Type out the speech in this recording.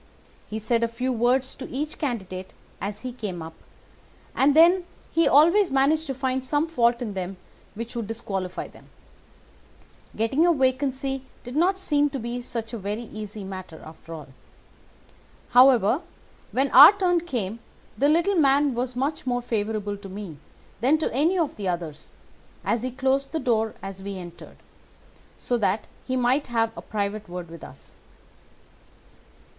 He said a few words to each candidate as he came up, and then he always managed to find some fault in them which would disqualify them. Getting a vacancy did not seem to be such a very easy matter, after all. However, when our turn came the little man was much more favourable to me than to any of the others, and he closed the door as we entered, so that he might have a private word with us.